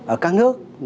ở các nước